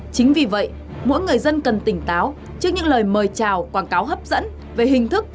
chính vì vậy mỗi người dân cần tỉnh táo trước những lời mời chào quảng cáo hấp dẫn về hình thức